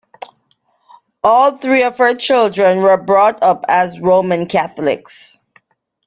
All three of her children were brought up as Roman Catholics.